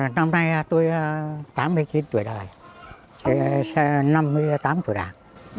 năm nay tôi tám mươi chín tuổi đời năm mươi tám tuổi đảng